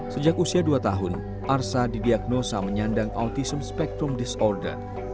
sejak usia dua tahun arsa didiagnosa menyandang autism spektrum disorder